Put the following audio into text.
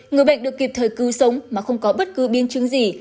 người bệnh được kịp thời cứu sống mà không có bất cứ biến chứng gì